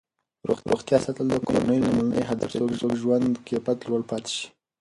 روغتیا ساتل د کورنۍ لومړنی هدف دی ترڅو ژوند کیفیت لوړ پاتې شي.